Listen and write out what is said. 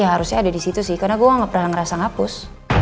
ya harusnya ada di situ sih karena gue gak pernah ngerasa ngapus